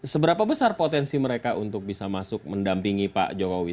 seberapa besar potensi mereka untuk bisa masuk mendampingi pak jokowi